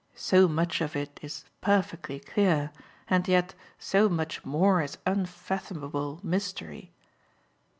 "So much of it is perfectly clear, and yet so much more is unfathomable mystery.